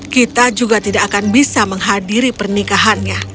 kita juga tidak akan bisa menghadiri pernikahannya